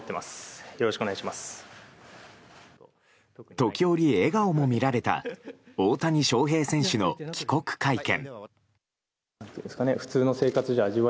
時折、笑顔も見られた大谷翔平選手の帰国会見。